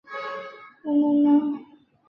是现存北美的最大的蛙之一。